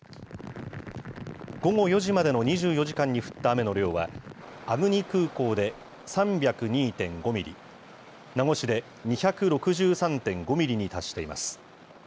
午後４時までの２４時間に降った雨の量は、粟国空港で３０２．５ミリ、名護市で２６３．５ミリに達しています。